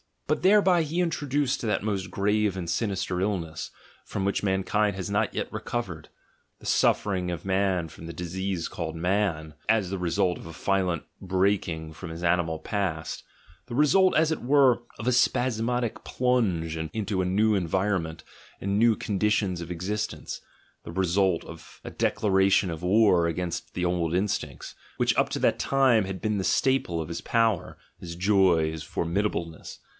But thereby he introduced that most grave and sinister illness, from which mankind has not yet recovered, the suffering of man from the disease called man, as the re sult of a violent breaking from his animal past, the result, as it were, of a spasmodic plunge into a new environment 78 THE GENEALOGY OF MORALS and new conditions of existence, the result of a declara tion of war against the old instincts, which up to that time had been the staple of his power, his joy, his formidable ness.